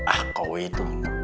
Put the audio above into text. ah kau itu